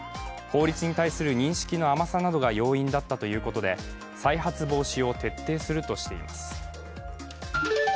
法律に対する認識の甘さなどが要因だったということで再発防止を徹底するとしています。